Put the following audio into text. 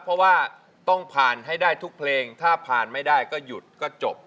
เพราะว่าต้องผ่านให้ได้ทุกเพลงถ้าผ่านไม่ได้ก็หยุดก็จบ